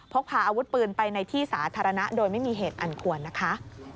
พกพาอาวุธปืนไปในที่สาธารณะโดยไม่มีเหตุอันควรนะคะ